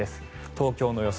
東京の予想